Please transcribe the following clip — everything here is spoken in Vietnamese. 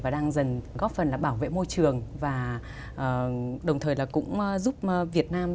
và đang dần góp phần là bảo vệ môi trường và đồng thời là cũng giúp việt nam